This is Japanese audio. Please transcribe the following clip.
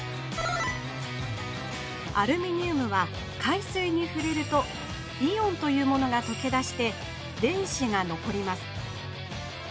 アルミニウムは海水にふれるとイオンというものがとけだして電子がのこります。